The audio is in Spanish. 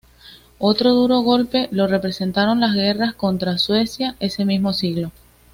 Otro duro golpe lo representaron las guerras contra Suecia ese mismo siglo.